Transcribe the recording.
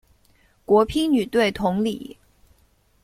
国乒女队同理。